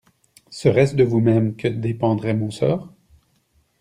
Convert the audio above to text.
Serait-ce de vous-même que dépendrait mon sort?